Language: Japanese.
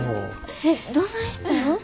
えっどないしたん？